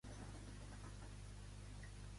Per quin motiu va fugir embarassada, Agar?